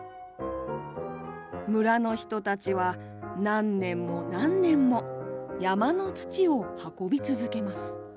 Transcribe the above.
村の人たちは何年も何年も山の土を運び続けます。